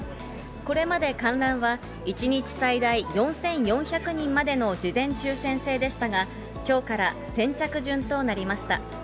これまで観覧は、１日最大４４００人までの事前抽せん制でしたが、きょうから先着順となりました。